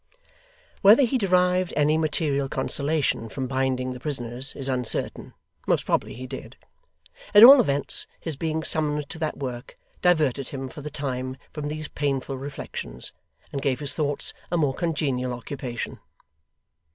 Whether he derived any material consolation from binding the prisoners, is uncertain; most probably he did. At all events his being summoned to that work, diverted him, for the time, from these painful reflections, and gave his thoughts a more congenial occupation.